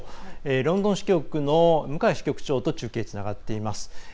ロンドン支局の向井支局長と中継つながっています。